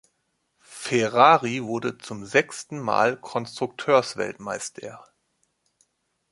Ferrari wurde zum sechsten Mal Konstrukteursweltmeister.